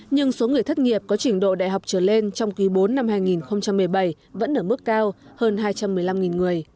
nhưng số người thất nghiệp có trình độ đại học trở lên trong quý bốn năm hai nghìn một mươi bảy vẫn ở mức cao hơn hai trăm một mươi năm người